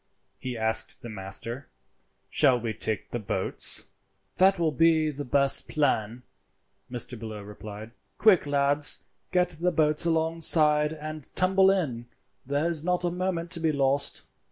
He asked the master: "Shall we take to the boats?" "That will be the best plan," Mr. Bellew replied. "Quick, lads, get the boats alongside and tumble in; there is not a moment to be lost."